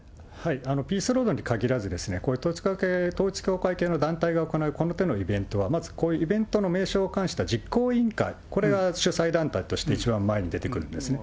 ピースロードに限らず、こういう統一教会系の団体が行う、この手のイベントは、まずこういう名称を冠した実行委員会、これが主催団体として、一番前に出てくるんですね。